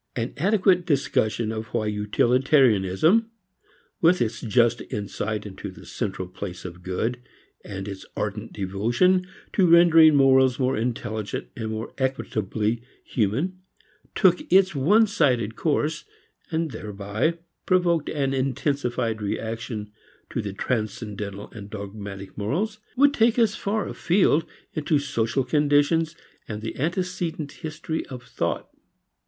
An adequate discussion of why utilitarianism with its just insight into the central place of good, and its ardent devotion to rendering morals more intelligent and more equitably human took its onesided course (and thereby provoked an intensified reaction to transcendental and dogmatic morals) would take us far afield into social conditions and the antecedent history of thought.